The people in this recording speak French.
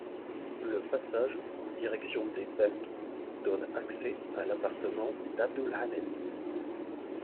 Le passage en direction des bains donne accès à l'appartement d'Abdülhamid.